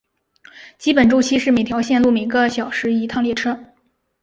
基本周期是每条线路每个小时一趟列车。